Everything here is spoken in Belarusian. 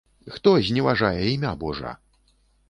Хто зневажае імя божа?